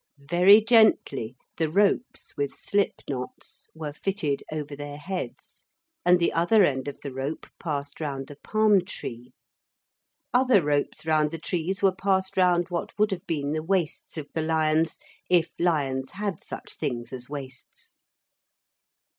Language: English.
Very gently the ropes, with slip knots, were fitted over their heads, and the other end of the rope passed round a palm tree. Other ropes round the trees were passed round what would have been the waists of the lions if lions had such things as waists.